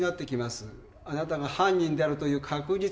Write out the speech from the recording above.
あなたが犯人であるという確実な証拠。